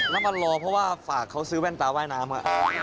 แล้วมารอเพราะว่าฝากเขาซื้อแว่นตาว่ายน้ำ